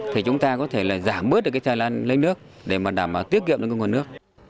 thì chúng ta có thể là giảm bớt được cái thời gian lấy nước để mà đảm bảo tiết kiệm được cái nguồn nước